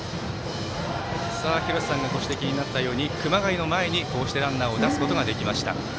廣瀬さんがご指摘になったように熊谷の前に、こうしてランナーを出すことができました。